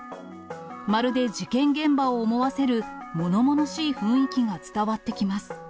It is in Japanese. まるで事件現場を思わせる、ものものしい雰囲気が伝わってきます。